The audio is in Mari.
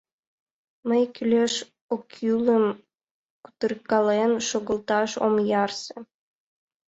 Мый кӱлеш-оккӱлым кутыркален шогылташ ом ярсе.